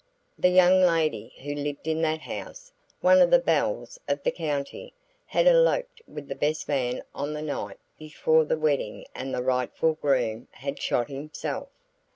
The young lady who lived in that house one of the belles of the county had eloped with the best man on the night before the wedding and the rightful groom had shot himself.